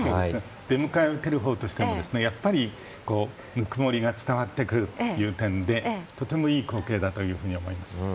出迎えるほうとしてもやっぱり温もりが伝わってくるという点でとてもいい光景だと思います。